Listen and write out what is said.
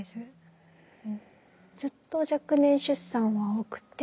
ずっと若年出産は多くて。